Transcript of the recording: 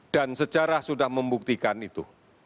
dan sejarah sudah membuktikan itu